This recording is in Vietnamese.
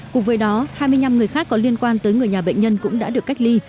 cùng với đó hai mươi năm người khác có liên quan tới người nhà bệnh nhân cũng đã được cách ly